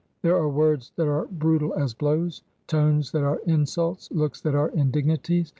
There are words that are brutal as blows, tones that are insults, looks that are indignities.